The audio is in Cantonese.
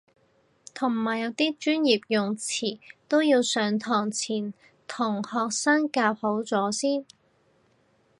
同埋有啲專業用詞都要上堂前同學生夾好咗先